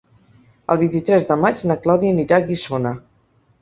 El vint-i-tres de maig na Clàudia anirà a Guissona.